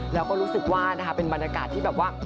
แล้วก็รู้สึกว่านะคะเป็นบรรยากาศที่แบบว่า